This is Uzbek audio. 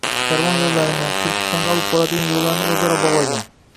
Karvon yoʻllarini, Turkistonga olib boradigan yoʻllarni oʻzaro bogʻlagan